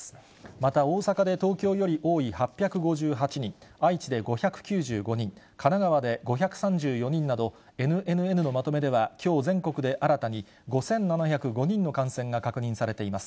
また大阪で東京より多い８５８人、愛知で５９５人、神奈川で５３４人など、ＮＮＮのまとめでは、きょう全国で新たに５７０５人の感染が確認されています。